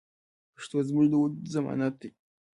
پښتو زموږ د وجود ضمانت دی.